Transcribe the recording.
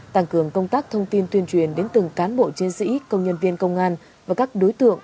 tăng cường công tác thông tin tuyên truyền đến từng cán bộ chiến sĩ công nhân viên công an và các đối tượng